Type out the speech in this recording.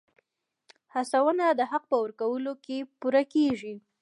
هڅونه د حق په ورکولو پوره کېږي.